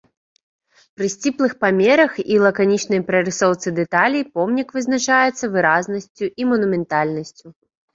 Пры сціплых памерах і лаканічнай прарысоўцы дэталей помнік вызначаецца выразнасцю і манументальнасцю.